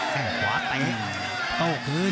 แค่งขวาเตะโต้คืน